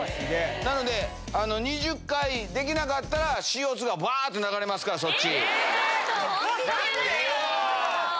なので、２０回できなかったら、ＣＯ２がふぁーっと流れますから、そっち。